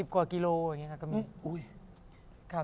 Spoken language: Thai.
๑๐กว่ากิโลกรัม